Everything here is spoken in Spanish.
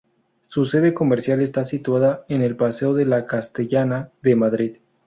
Su sede comercial está situada en el Paseo de la Castellana de Madrid.